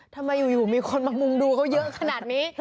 ทำไมอยู่มีคนมามุงดูเขาเยอะขนาดนี้